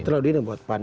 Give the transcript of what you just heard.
terlalu dini buat pan